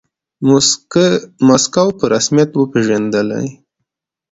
موسکو په رسميت وپیژندلې.